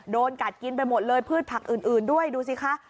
โดนกัดกินไปหมดเลยพืชผักอื่นด้วยดูสิคะ